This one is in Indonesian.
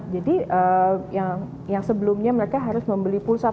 jadi yang sebelumnya mereka harus membeli pulsa satu satu